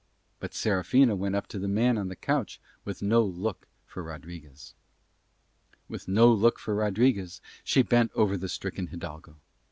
But Serafina went up to the man on the couch with no look for Rodriguez. With no look for Rodriguez she bent over the stricken hidalgo.